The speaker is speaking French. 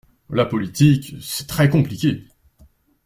La politique c'est très compliqué.